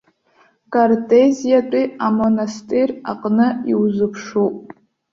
Картезиатәи амонастир аҟны иузыԥшуп.